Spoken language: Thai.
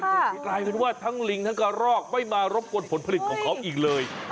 คือกลายเป็นว่าทั้งลิงทั้งกระรอกไม่มารบกวนผลผลิตของเขาอีกเลย